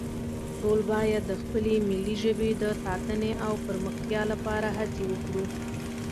ټول باید د خپلې ملي ژبې د ساتنې او پرمختیا لپاره هڅې وکړو